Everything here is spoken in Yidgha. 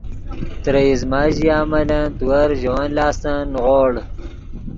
ترے ایزمہ ژیا ملن تیور ژے ون لاستن نیغوڑ